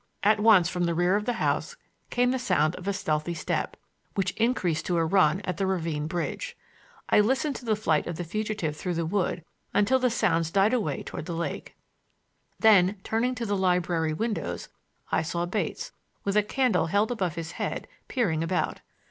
At once from the rear of the house came the sound of a stealthy step, which increased to a run at the ravine bridge. I listened to the flight of the fugitive through the wood until the sounds died away toward the lake. Then, turning to the library windows, I saw Bates, with a candle held above his head, peering about.